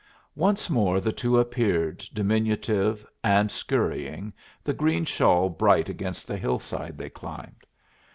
Once more the two appeared, diminutive and scurrying, the green shawl bright against the hill side they climbed.